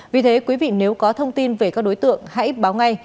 vì thế quý vị nếu có thông tin về các đối tượng hãy báo ngay